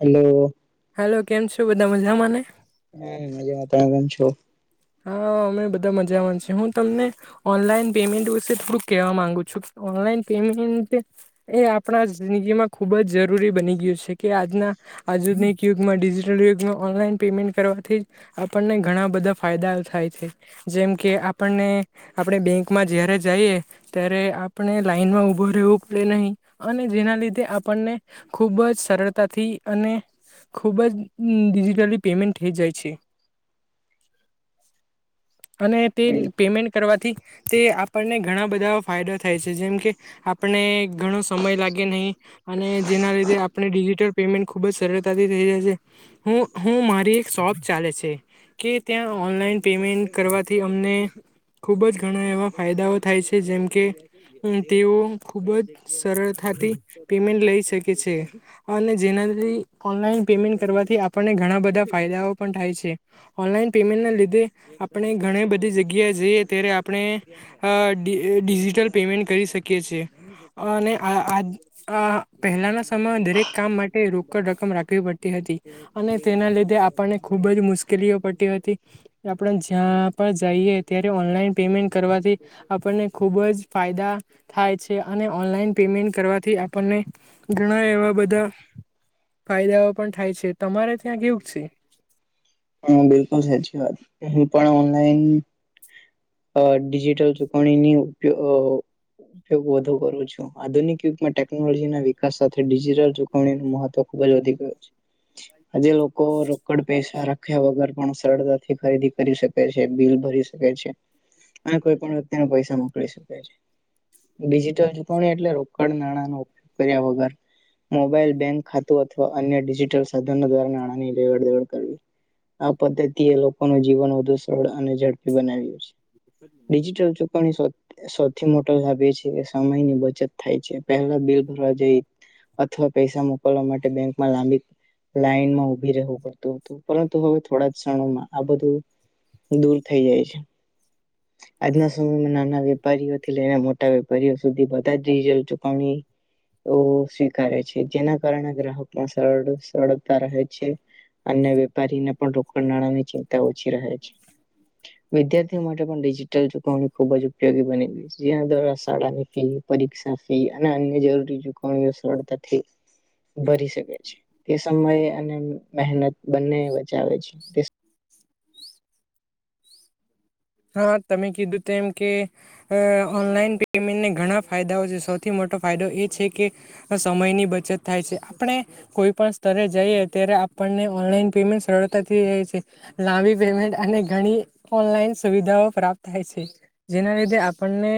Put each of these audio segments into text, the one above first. Hello. Hello કેમ છો બધા મજામાંને હા મજા મા તમે કેમ છો હા અમે બધા મજામાં છીએ હું તમને ઓનલાઈન પેમેન્ટ વિશેે થોડુંક કેહેવા માંગુ છું ઓનલાઈન પેમેન્ટ એ આપણા જિંદગીમાં ખુબ જ જરૂરી બની ગયું છે કે આજના આધુનિક યુગમાં ડિજિટલ યુગમાં ઓનલાઈન પેમેન્ટ કરવાથી આપણને ઘણા બધા ફાયદા થાય છે જેમ કે આપણને આપણે બેંકમાં જ્યારે જઈએ ત્યારે આપણે લાાઈનમાં ઊભું રહેવું પડે નહીં અને જેના લીધે આપણને ખૂબ જ સરળતાથી થી અને ખૂબ જ ડિજિટલી પેમેન્ટ થઈ જાય છે. [inaudible] અને તે પેમેન્ટ કરવાથી તે આપણને ઘણા બધા ફાયદા થાય છે જેમ કે આપણે ને ઘણો સમય લાગે નહીં અને જેના લીધે આપણે ડિજિટલ પેમેન્ટ ખુબ જ સરળતાથી થઈ જાય હું હું મારી એક શોપ ચાલે છે કે ત્યાં ઓનલાઈન પેમેન્ટ કરવાથી અમને ખૂબ જ ઘણા એવા ફાયદાઓ થાય છે જેમ કે તેઓ ખુબ જ સરળતાથી પેમેન્ટ લઈ શકે છે અને જેના ઓનલાઈન પેમેન્ટ કરવાથી આપણને ઘણા બધા ફાયદાઓ પણ થાય છે. ઓનલાઈન પેમેન્ટના લીધે આપણે ઘણી બધી જગ્યાએ જઈએ ત્યારે આપણે અ ડી ડિજિટલ પેમેન્ટ કરી શકીએ છીએ. અને આ આ પહેલાના સમયમાં દરેક કામ માટે રોકડ રકમ રાખવી પડતી હતી. તી અને તેના લીધે આપણને ખુબ જ મુશ્કેલીઓ પડતી હતી આપણે જ્યાં પણ જઈએ ત્યારે ઓનલાઈન પેમેન્ટ કરવાથી આપણને ખૂ ખુબ જ ફાયદા થાય છે અને ઓનલાઈન પેમેન્ટ કરવાથી આપણને ઘણા એવા બ ધા ફાયદાઓ પણ થાય છે તમારે ત્યાં કેવુંક છે? હા, બિલકુલ સાચી વાત હું પણ ઓનલાઈન અ ડિજિટલ ચુકવણીની ઉપયોગ અ ઉપયોગ વધુ કરું છું આધુનિક યુગમાં ટેકનોલોજીના વિકાસ સાથે ડિજટલ ચૂકવણી મહત્વ ખુબ જ વધી ગયો છે આજે લોકો રોકડ પૈસા રાખ્યા વગર પણ સરળતાથી ખરીદી કરી શકે છે બિલ ભરી શકે છે. અને કોઈ પણ વ્યક્તિને પૈસા મોકલી શકે છે. ડિજિટલ ચૂકવણી એટલે રોકડ નાણાંનો ઉપયોગ કર્યા વગર મોબાઈલ બેંક ખાતું અથવા અન્ય ડિજિટલ સાધનો દ્વારા નાણાંની લેવડ દેવડ કરવી. આ પદ્ધતિએ લોકોનું જીવન વધુ સરળ અને ઝડપી બનાવ્યું છે. ડિજિટલ જો પણ સૌથી મોટો લાભ એ છે કે સમયની બચત થાય છે પહેલા બિલ ભરવા જઈ અથવા પૈસા મોકલવા માટે બેંકમાં લાંબી લાઈનમાં ઉભી રહેવું પડતું. પરંતુ હવે થોડા ક્ષણોમાં આ બધું દૂર થઈ જાય છે. આજના સમયમાં નાના વેપારીઓથી લઈને મોટ ટા સુધી બધા જ ડીઝલ ચુકવણી એવુ સ્વીકારે છે જેના કારણે ગ્રાહકમાં સરળ સરળતા રહે છે. અન્ય વેપારીને પણ રોકડ નાણાંની ચિંતા ઓછી રહે છે વિધ્યા થીઓ તે માટે પણ ડિજિટલ ચુકવણી ખુબ જ ઉપયોગી બની ગઈ છે જેના દ્વારા શાળાની ફી, પરીક્ષા ફી અન્ય જરૂરી ચૂકવણીઓ સરળતાથી ભરી શકે છે તે સમયે અને મહેનત બંને બચાવે છે. હા તમે કીધું તેમ એ કે ઓનલાઈન પેમેન્ટને ઘણા ફાયદાઓ છે સૌથી મોટ ફાયદો એ છે કે સમયની બચત થાય છે આપણે કોઈ પણ સ્તરે જઈએ ત્યારે આપણને ઓનલાન પેમેન્ટ સરળતાથી છે લાંબી પેમેન્ટ અને ઘણી ઓનલાઈન સુવિધાઓ પ્રાપ્ત થાય છે જેના લીધે આપણને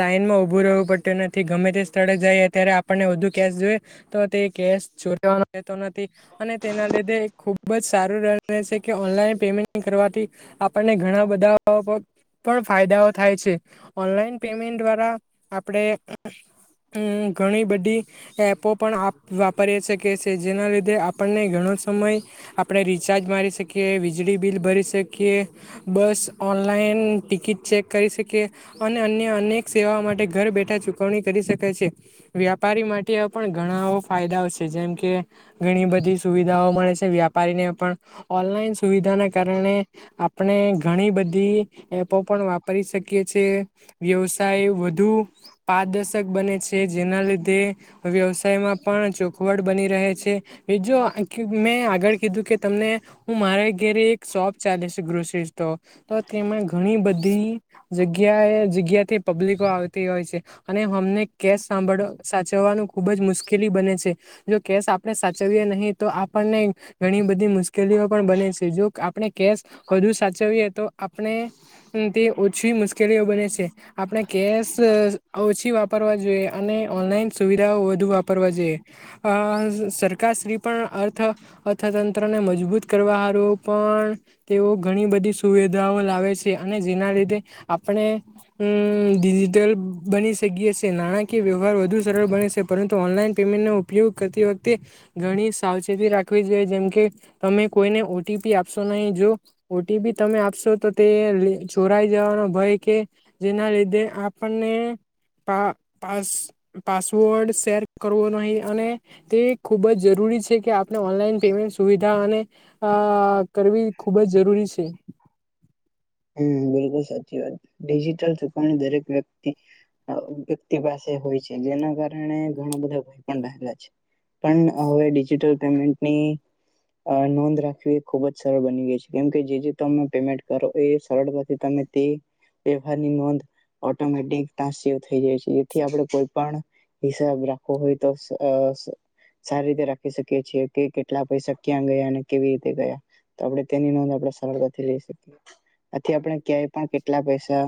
લાઈનમાં ઉભું રહેવું પડતું નથી. ગમે તે સ્થળે જઈએ ત્યારે આપણને વધુ કેશ જોઈએ તો તે કેશ ચોરાવાનો રહેતો નથી અને તેના લીધે ખુબ સારું છે કે ઓનલાઈન પેમેન્ટ કરવાથી આપણને ઘણા બ ધા પણ ફાયદાઓ થાય છે ઓનલાઈન પેમેન્ટ દ્વારા આપણે અમ ઘણી બધી એપો પણ વાપરી શકે છે જેના લીધે આપણને ઘણા સમય આપણે રિચાર્જ મારી શકીએ, વીજળી બિલ ભરી શકીએ, બસ ઓનલાઈન ટિકિટ ચેક કરી શકીએ અને અન્ય અનેક સેવાઓ માટે ઘર બેઠા ચુકવણી કરી કરી શકે છે વ્યાપારી માટે પણ ઘણા ફાયદાઓ છે જેમ કે ઘણી બધી સુ વિધાઓ મળે છે વ્યાપારીને પણ ઓનલાઈન સુવિધાના કારણે આપણે ઘણી બ ધી એપો પણ વાપરી શકી છે વ્યવસાય વધુ પારદર્શક બને છે જેના લીધે વ્યવસાયમાં પણ ચોખવટ બની રહે છે બીજો મેં આગળ કીધું કે તમને હું મારા ઘેરે એક શોપ ચાલે છે ગ્રોસરીઝ તો તો તેમાં ઘણી બધી જગ્યાએ જગ્યાથી પબ્લિકો આવતી હોય છે અને હ મને કેશ સાભળ્વા સાચવાનું ખુબ જ મુશ્કેલી બને છે જો કેશ આપણે સાચવીએ નહીં તો તો આપણને ઘણી બધી મુશ્કેલીઓ પણ બને છે જો આપણે કેશ વધુ સાચવીએ તો આપણે તે ઓછી મુશ્કેલીઓ બને છે આપણે કેશ ઓછી વાપર રવા જોઈએ અને ઓનલાઈન સુવિધા વધુ વાપરવા જોઈએ અ સરકારશ્રી પણ અર્થ અર્થતંત્રને મજબૂત કરવા હારુ પણ તેઓ ઘણી બધી સુવિધા ઓ લાવે છે અને જેના લીધે આપણે અ ડિજિટલ બની શકીએ. નાણાંકીય વ્યવહાર વધુ સરળ બને છે પરંતુ ઓનલાઈન પેમેન્ટનો ઉપયોગ કરતી વખતે ઘણી સાર સા રા જોઈ જેમકે તમે કોઈને ઓટીપી આપશો નહી જો ઓટીપી તમે આપશો તો તે ચોરાઈ જવાનો ભય કે જેના લીધે આપણને પા પાસ પાસવર્ડ શેર કરવો નહી અને તે ખૂબ જ જરૂરી કે આપણે ઓનલાઈન પેમેન્ટ સુવિધા અને કરવી ખૂબ જ જરૂરી છે હમ બિલકુલ સાચી વાત ડિજિટલ સુકની દરેક વ્યક્તિ વ્યક્તિ પાસે હોય છે જેના કારણે ઘણા બધા ભય પણ રહેલા છે પણ હવે ડિજિટલ પેમેન્ટની અ નોંધ રાખવી એ ખુબજ સરળ બની ગઈ છે કેમ કે જે જે તમે પેમેન્ટ કરો એ સરળતાથી તમે તે વવારની નોંધ ઓટોમેટિક થઈ જાય છે જેથી આપણે કોઈ પણ હિસાબ રાખો હોય તો આ સારી રીતે રાખી શકીએ છીએ કે કેટલા પૈસા ક્યાં ગયા અને કેવી રીતે ગયા તો આપણે તેની નોંધ આપણે સરળતા લઈ શકીએ આથી આપણે ક્યાંય પણ કેટલા પૈસા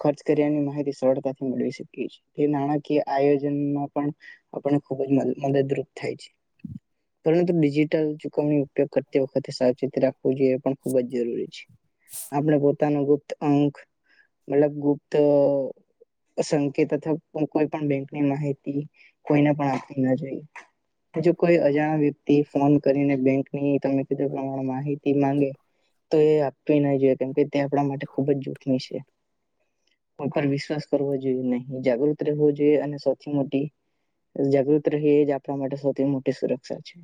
ખર્ચની માહિતી સરતાથી મેવી શકી છીએ તે નાણાકીય આયોજનમાં પણ પણ ખુબ જ મદદરૂપ થાય છે પરંતુ ડિજિટલુકમ ઉપયોગ કરતી વખતે સાવચેતી રાખવું જોઈએ પણ ખુબ જ જરૂરી છે આપણે પોતાનો ગુપ્ત અંક મતલબ ગુપ્ત સંકેત અથવા કોઈ પણ બેંકની માહિતી કોઈને પણ આપવી ના જોઈ જો કોઈ અજાણ વ્યક્તિ ફોન કરીને બેંકની તમે કીધું પ્રમાણે માહિતી માંગે તો એ આપત ના જોઈએ કેમ કે તે આપણા માટે ખુબ જ જોખમી છે [unintelligible] ઉપર વિશ્વાસ કરવો જોઈએ નહીં જાગૃત રહેવો જોઈએ અને સૌથી મોટી જાગૃત ર એ જ આપણા માટે સૌથી મોટી સુરક્ષા છે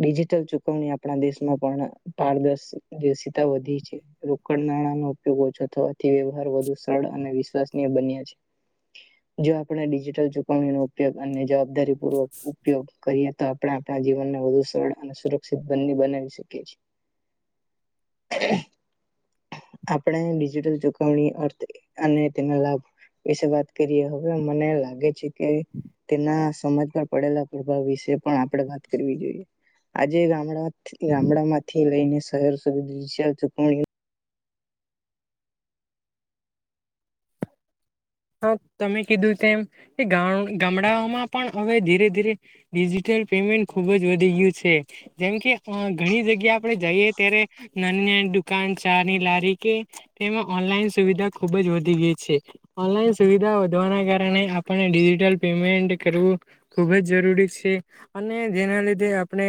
ડિજિટલ ચુકવણી આપણા દેશમાં પણ પારર્શ દર્શિતા વધી રોકડ નાણાંનો ઉપયોગ ઓછો થવાથી વ્યવહાર વધુ સરળ અને વિશ્વાસનીય બન્યા છે જો આપણે ડિજિટલ ચુકવણી ન ઉપયોગ અને જવાબદારી પૂર્વક ઉપયોગ કરીએ તો આપ આપણા જીવનને વધુ સરળ અને સુરક્ષિત બ બનાવી શકીએ છીએ [inaudible] [inaudible] [inaudible] આપણે ડિજિટલ ચુકવણી અર્થ અને તેના લાભ એ વાત કરીએ હવે મને લાગે છે કે તેના સમાજમાં પડેલા પ્રભાવ વિશે પણ આપડે વાત કરવી જોઈએ આજે ગામડા ગામડા માંથી લઈને શહેર સુધીકવણી હા તમે કીધું તેમ કે ગામડાઓમાં પણ હવે ધીરે ધીરે ડિજટલ ખુબ વધી ગયું છે જેમ ઘણી જગ્યા આપણે જઈએ ત્યારે દુકાન ચાર ની લારી કે તેમાં ઓનલાઈન સુવિધા ખુબ જ વધી ગઈ છે ઓનલાઈન સુવિધા વધવાના કારણે આપણને ડિજિટલ પેમેન્ટ કરવું ખુબ જ જરૂરી છે અને જેના લીધે આપણે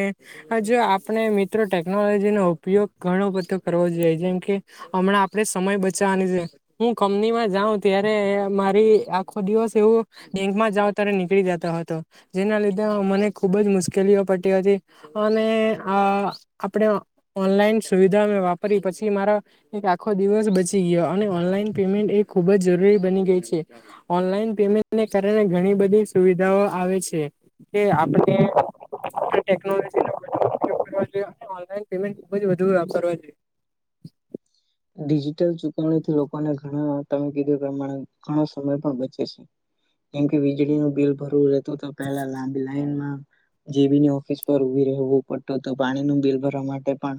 જો આપણે મિત્રો ટેકનોલોજી નો ઉપયોગ ઘ જોઈએ જેમ કે હમણાં આપે સમય બચવાની છે હું કંપનીમાં જાઉં ત્યારે મારી આખો દિવસ એવું બેંકમાં જ અત્યારે નીકળી જતો હતો જેના લીધે મને ખુબ જ મુશ્કેલીઓ પડતી હતી અને અ આપણે ઓનલાઈન સુવિધા મેં વાપરી પછી મારો એક આખો દિવસ બચી ગયો અને ઓનલાઈન પેમેન્ટ એ ખૂબ જ જરૂરી બની ગઈ છે ઓનલાઈન પેમેન્ટને કારણે ઘણી બધી સુવિધાઓ આવે છે કે આપણે ટેકનોલોજી ેન્ટ ખબ વધુ જોઈએ ડિજિટલ ચુકવણીથી લોકોને ઘણા તમે કીધું પ્રમાણે ઘણો સમય પણ બચે છે કેમ કે વીજળીનુંું બિલ ભરવું રહેતું તો પેલા લાંબી લાઈન માં જેીની ઓફિસ પર ઉભી રહેવું પડતું તો પાણી ન બિલ ભરવા માટે પણ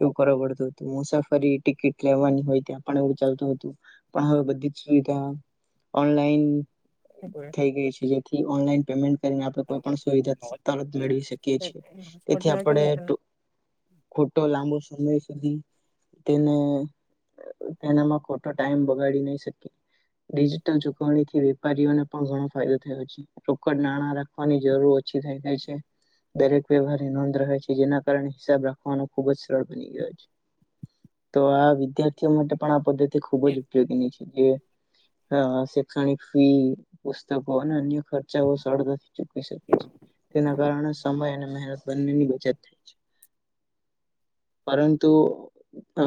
એવું કરવો પડતું હતું મુસાફરી ટિકિટ લેવાની હોય ત્યાં પણ એવું ચાલતું હતું પણ હવે બધી જ સુવિધા ઓનલાઈન જોઈએ થઈ ગઈ છે જેથી ઓનલાઈન પેમેન્ટ આપ કોઈ પણ સુવિધા તરત મેળવી શકીએ છીએ તેથી આપણે ખોટો લાંબો સમય સુધી તેને તેનામાં ખોટો ટાઈમ બગાડી નહી શકી ડિજિટલ ચુકવણી થી વેપારીઓને પણ ઘણો ફાયદો થયો છે રોકડ નાણાં રાખવાની જરૂર છી થઈ ગઈ છે દરેક વ્યવહારની નોંધ રહે છે જેના કારણે હિસાબ રાખવાનો ખુબ જ સરળ બની ગયો છે [inaudible] તો આ વિદ્યાર્થીઓ માટે પણ આ પદ્ધતિ ખુબ જ ઉપયોગીની છે જે હ શૈક્ષણિક ફી પુસ્તકો અને અન્ય ખર્ચાઓ સરળતાથી ચૂકી શકે છે તેના કારણે સમય અને બનીચત થ છે પરંતુ અ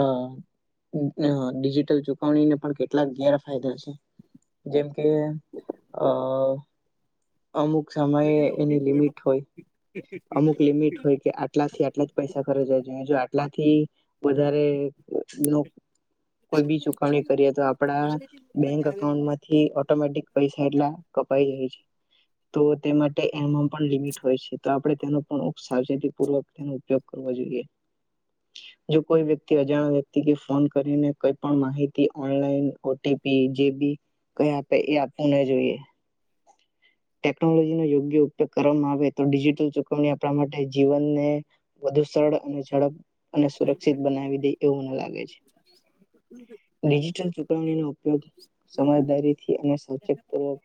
ડિજિટલ ચુકવણીને પણ કેટલાક ગેરફાયદા છે જેમ કે આ અમુક સમયે એની લિમિટ હોય અમુક લિમિટ હોય કે આટલાથી આટલા જ પૈસા ખ જવા જોઈએ જો આટલાથી વધારે ઓછી નું કોઈ બી ચુકવણી કરીએ તો આપડા બેંક અકાઉન્ટ માંથી ઓટોમેટિક પૈસા એટલા કપાઈ જાય છે. [inaudible] તો તે માટે એમાં પણ લિમિટ હોય છે તો આપડે તેનું પણ ખૂબ સાવચેતી પૂર્વક તેનો ઉપયોગ કરવો જોઈએ જો કોઈ વ્યક્તિ અજાણ્ય વ્યક્તિ કે ફોન કરીને કોઈપણ માહિતી ઓનલાઈન ઓટીપી જે બી કઈ આપે એ આપુને જોઈએ. [inaudible] ટેકનોલોજીનો યોગ્ય ઉપયોગ કરવામાં આવે તો ડિજિટલ ચુકવણી આપણા માટે જીવનને વધુ સરળ અને ઝડપ અને સુરક્ષિત બનાવી દે એવું મન લાગે છે. ડિજિટલ ચુકવણીનો ઉપયોગ સમજદારીથી અને સાચક કરવા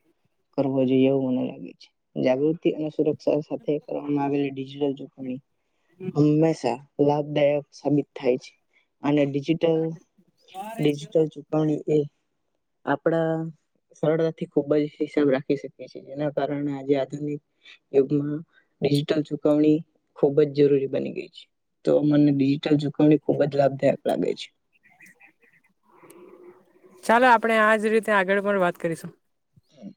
કરવો જોઇએ એવું મને લાગ છે જાગૃતિ અને સુરક્ષા સાથે કરવામાં આવેલી ડીજીટલ ચુકવણી હંમેશા લાભદાયક સાબિત થાય છે. અને ડિજિટલ ડિજિટલ ચુકવણી એ આપડા સરળતાથી ખૂબજ હિસાબ રાખી શકે છે એના કારણે અમે આજે આધુનિક યુગમાં ડિજીિટલ ચુકવણી ખુબજ જરૂરી બની ગઈ છે તો મને ડિજીટલ ચુ કવણી ખુબજ લાભદાયક લાગે છે. ચાલો આપણે આજ રીતે આગળ પણ વાત કરીશું. હમ